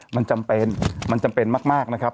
มันจำเป็นมันจำเป็นมากนะครับ